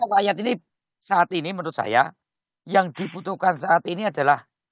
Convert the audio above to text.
rakyat ini saat ini menurut saya yang dibutuhkan saat ini adalah